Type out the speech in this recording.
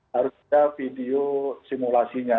harusnya video simulasinya